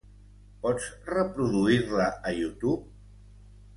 Pots reproduir-la a Youtube?